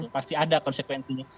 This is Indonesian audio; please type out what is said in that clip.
pasti ada konsekuensinya